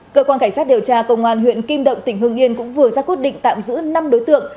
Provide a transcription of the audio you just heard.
cơ quan cảnh sát điều tra công an huyện kim động tỉnh hương yên cũng vừa ra quyết định tạm giữ năm đối tượng